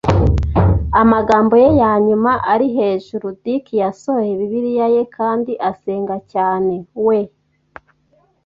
“Amagambo ye ya nyuma ari hejuru.” Dick yasohoye Bibiliya ye kandi asenga cyane. We